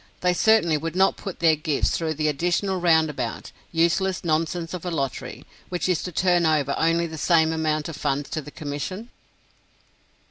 They certainly would not put their gifts through the additional roundabout, useless nonsense of a lottery, which is to turn over only the same amount of funds to the Commission.